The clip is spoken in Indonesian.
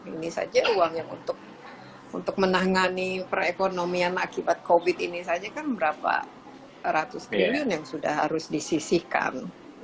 ini saja uang yang untuk menangani perekonomian akibat covid ini saja kan berapa ratus triliun yang sudah harus disisihkan